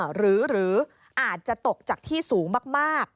หรืออาจจะตกจากที่สูงมาก